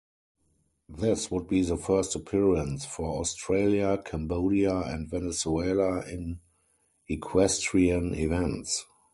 This would be the first appearance for Australia, Cambodia and Venezuela in equestrian events.